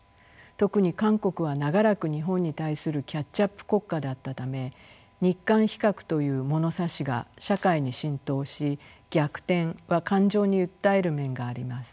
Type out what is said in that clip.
特に韓国は長らく日本に対するキャッチアップ国家だったため日韓比較という物差しが社会に浸透し逆転は感情に訴える面があります。